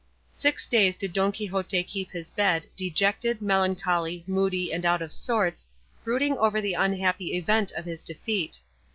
Six days did Don Quixote keep his bed, dejected, melancholy, moody and out of sorts, brooding over the unhappy event of his defeat.